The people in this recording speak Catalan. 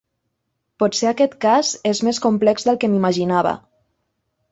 Potser aquest cas és més complex del que m'imaginava.